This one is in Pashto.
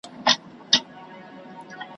د جومات سړی په جومات کي لټوه `